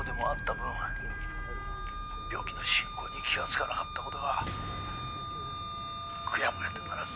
分病気の進行に気が付かなかったことが悔やまれてならず。